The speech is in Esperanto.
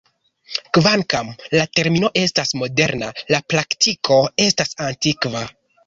Kvankam la termino estas moderna, la praktiko estas antikva.